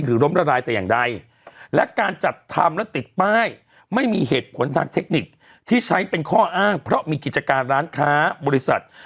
หรือล้มระรายใต้อย่างใด